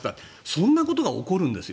そんなことが起こるんです。